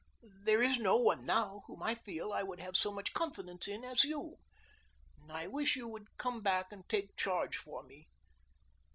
"There is no one now whom I feel I would have so much confidence in as you. I wish you would come back and take charge for me.